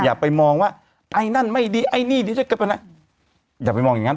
อย่าไปมองว่าไอ้นั่นไม่ดีไอ้นี่ดีฉันก็เป็นอย่าไปมองอย่างงั